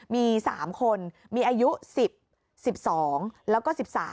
มี๓คนมีอายุ๑๐๑๒แล้วก็๑๓